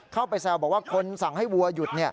เข้าไปแซวบอกว่าคนสั่งให้วัวหยุด